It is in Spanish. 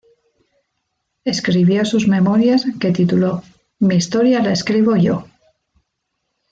Escribió sus memorias, que tituló "Mi historia la escribo yo".